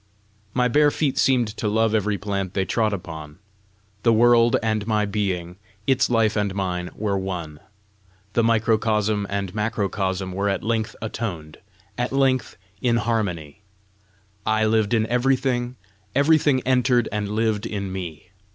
My bare feet seemed to love every plant they trod upon. The world and my being, its life and mine, were one. The microcosm and macrocosm were at length atoned, at length in harmony! I lived in everything; everything entered and lived in me.